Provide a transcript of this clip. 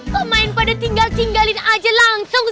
pemain pada tinggal tinggalin aja langsung sih